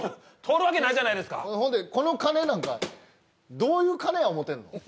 通るわけないじゃないですかこの金なんかどういう金や思うてんの？